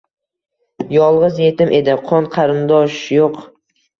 Yolg’iz yetim edi, qon-qarindosh yo’q